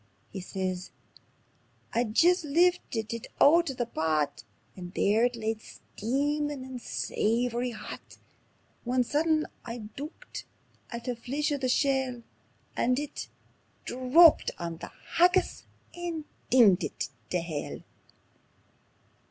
And he says: "I'd jist liftit it oot o' the pot, And there it lay steamin' and savoury hot, When sudden I dooked at the fleech o' a shell, And it _DRAPPED ON THE HAGGIS AND DINGED IT TAE HELL.